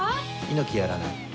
猪木やらない。